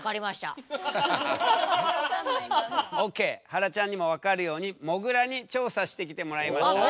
はらちゃんにも分かるようにもぐらに調査してきてもらいました。